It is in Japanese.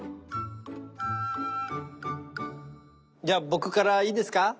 じゃあ僕からいいですか？